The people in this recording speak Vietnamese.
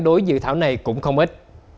và phản đối dự thảo này cũng không ít